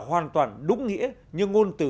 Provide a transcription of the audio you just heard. hoàn toàn đúng nghĩa như ngôn từ